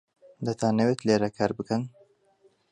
دەتانەوێت لێرە کار بکەن؟